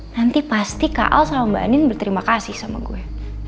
nanti pasti kak al sama mbak anin berterima kasih sama gue